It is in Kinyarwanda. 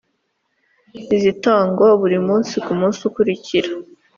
izitangwa buri munsi ku munsi ukurikira